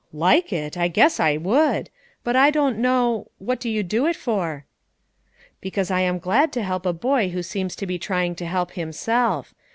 "Like it! I guess I would. But I don't know What do you do it for?" "Because I am glad to help a boy who seems to be trying to help himself.